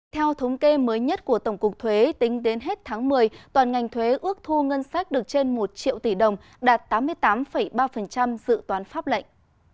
theo thống kê mới nhất của tổng cục thuế tính đến hết tháng một mươi toàn ngành thuế ước thu ngân sách được trên một triệu tỷ đồng đạt tám mươi tám ba dự toán pháp lệnh